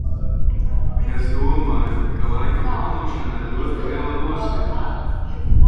Es domāju, ka laika plānošanai ir ļoti liela nozīme.